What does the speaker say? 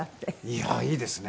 いやいいですね。